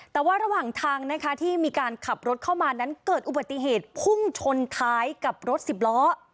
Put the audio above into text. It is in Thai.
แต่ว่าระหว่างทางนะคะที่มีการขับรถเข้ามานั้นเกิดอุบัติเหตุพุ่งชนท้ายกับรถสิบล้อ